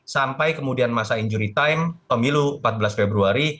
sampai kemudian masa injury time pemilu empat belas februari